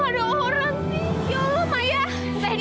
ya allah maya tewi